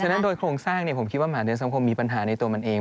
นั้นโดยโครงสร้างผมคิดว่าหมาในสังคมมีปัญหาในตัวมันเอง